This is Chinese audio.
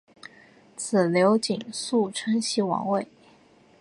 子刘景素承袭王位。